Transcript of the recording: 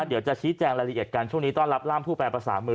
เดี๋ยวจะชี้แจงรายละเอียดกันช่วงนี้ต้อนรับร่ามผู้แปลภาษามือ